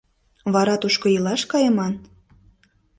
Вара тушко илаш кайыман?